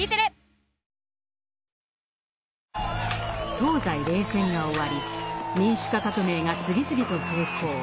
東西冷戦が終わり民主化革命が次々と成功。